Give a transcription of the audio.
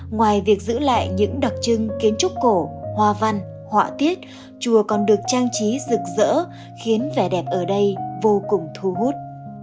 ngoài việc giữ lại những đặc trưng kiến trúc cổ hoa văn họa tiết chùa còn được trang trí rực rỡ khiến vẻ đẹp ở đây vô cùng thu hút